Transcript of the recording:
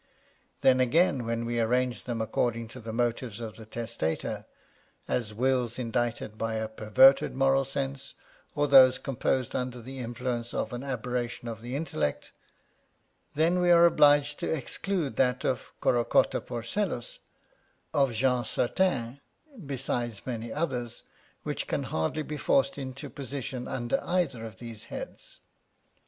Then again, when we arrange them according to the motives of the testator, as, wills indited by a perverted moral sense, or those composed under the influence of an aberration of the intellect, then we are obliged to exclude that of Corocotta Porcellus, of Jean Certain, beside many others, which can hardly be forced into position under either of these heads.